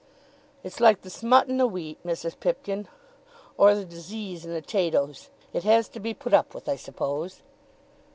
"It's like the smut in the wheat, Mrs. Pipkin, or the d'sease in the 'tatoes; it has to be put up with, I suppose.